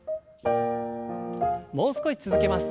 もう少し続けます。